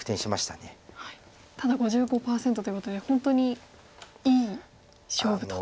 ただ５５％ということで本当にいい勝負と。